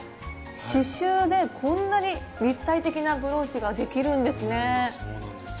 刺しゅうでこんなに立体的なブローチができるんですね。